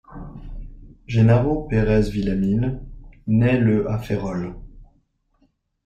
Jenaro Pérez Villaamil naît le à Ferrol.